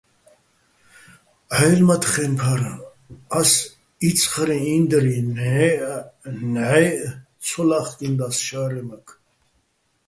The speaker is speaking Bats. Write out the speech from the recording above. ჺაჲლ-მა́ჲთხემფარი, ას იცხრიჼ ინდრი ნჵაჲჸ ცო ლა́ხკინდას შა́რემაქ.